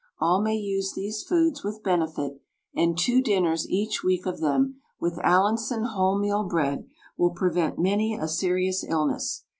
All may use these foods with benefit, and two dinners each week of them with Allinson wholemeal bread will prevent many a serious illness.